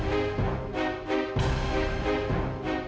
ketaufan juga ketaufan